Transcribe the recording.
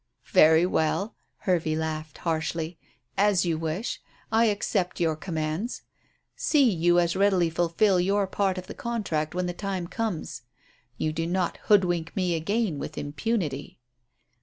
"Very well." Hervey laughed harshly. "As you wish. I accept your commands. See you as readily fulfil your part of the contract when the time comes. You do not hoodwink me again with impunity."